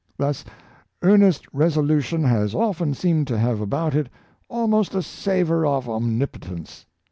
Thus, earnest resolution has often seemed to have about it almost a savor of omnip otence.